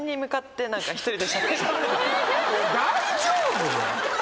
大丈夫？